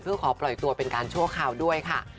เพื่อขอปล่อยตัวเป็นการชั่วคราวด้วยค่ะ